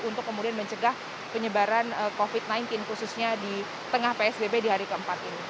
untuk kemudian mencegah penyebaran covid sembilan belas khususnya di tengah psbb di hari keempat ini